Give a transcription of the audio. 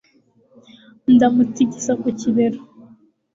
ndamutigisa ku bibero